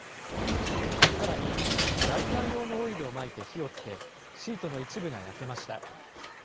さらに、ライター用のオイルをまいて火をつけ、シートの一部が焼けました。